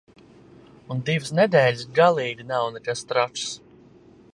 Un divas nedēļas galīgi nav nekas traks.